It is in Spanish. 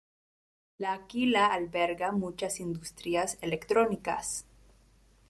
L'Aquila alberga muchas industrias electrónicas.